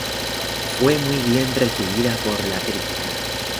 Fue muy bien recibida por la crítica.